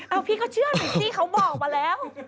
เอาพี่ก็เชื่อหน่อยสิเขาบอกมาแล้ว